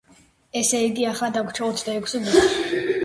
ესე იგი, ახლა დაგვრჩა ოცდაექვსი ბურთი.